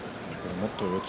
もっと四つ